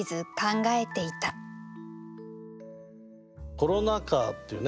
「コロナ禍」っていうね